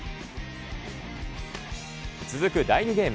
続く第２ゲーム。